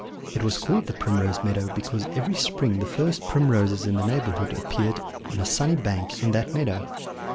It was called the Primrose Meadow because every spring the first primroses in the neighbourhood appeared on a sunny bank in that meadow.